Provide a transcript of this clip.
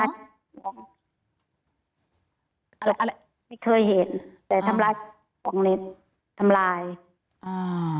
อะไรอะไรไม่เคยเห็นแต่ทำลายของเล็กทำลายอ่า